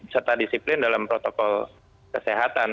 serta disiplin dalam protokol kesehatan